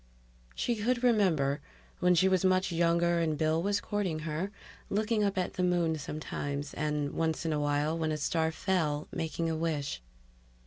She could remember, when she was much younger and Bill was courting her, looking up at the moon sometimes; and once in a while, when a star fell, making a wish.